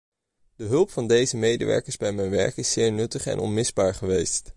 De hulp van deze medewerkers bij mijn werk is zeer nuttig en onmisbaar geweest.